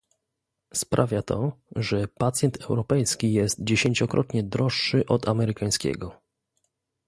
Sprawia to, że patent europejski jest dziesięciokrotnie droższy od amerykańskiego